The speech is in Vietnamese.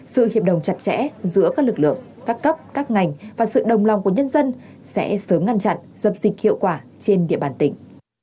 sự hiệp đồng chặt chẽ giữa các lực lượng các cấp các ngành và sự đồng lòng của nhân dân sẽ sớm ngăn chặn dập dịch hiệu quả trên địa bàn tỉnh